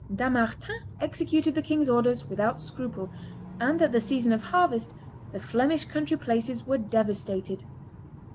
Dampmartin executed the king's orders without scruple; and at the season of harvest the Flemish country places were devastated.